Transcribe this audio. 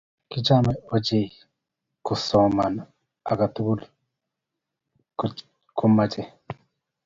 Kichome ochei kosoman atkai tugul kokeech.